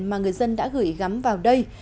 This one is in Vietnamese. mà người dân đã gửi gắm vào đây